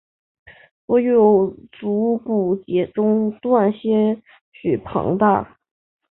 所有足股节中段些许膨大。